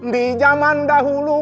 di jaman dahulu